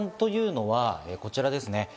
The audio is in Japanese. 解散というのはこちらですね。